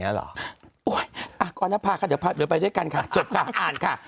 อย่างนี้หรอ